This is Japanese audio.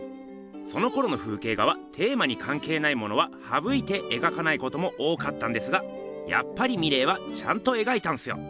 そのころの風景画はテーマにかんけいないものははぶいて描かないことも多かったんですがやっぱりミレーはちゃんと描いたんすよ。